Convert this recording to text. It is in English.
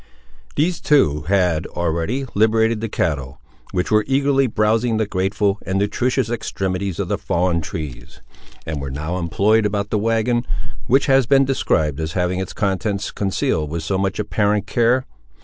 These two had, already, liberated the cattle, which were eagerly browsing the grateful and nutritious extremities of the fallen trees, and were now employed about the wagon, which has been described as having its contents concealed with so much apparent care.